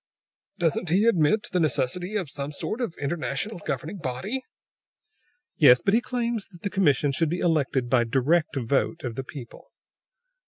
"Doesn't he admit the necessity of some sort of an international governing body?" "Yes; but he claims that the commission should be elected by direct vote of the people!"